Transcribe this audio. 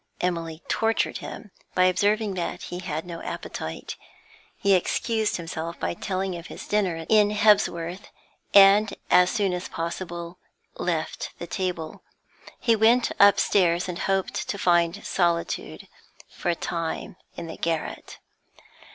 Emily tortured him by observing that he had no appetite. He excused himself by telling of his dinner in Hebsworth, and, as soon as possible, left the table. He went upstairs and hoped to find solitude for a time in the garret.